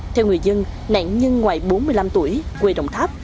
theo người dân nạn nhân ngoài bốn mươi năm tuổi quê đồng tháp